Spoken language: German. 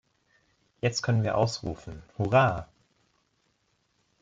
Jetzt könnten wir ausrufen "Hurra!